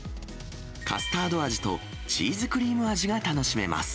カスタード味とチーズクリーム味が楽しめます。